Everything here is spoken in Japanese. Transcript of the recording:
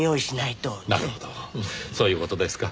なるほどそういう事ですか。